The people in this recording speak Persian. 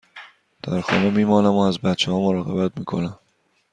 در خانه می مانم و از بچه ها مراقبت می کنم.